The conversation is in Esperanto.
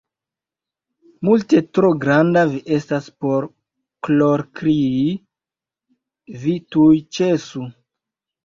Multe tro granda vi estas por plorkrii, vi tuj ĉesu!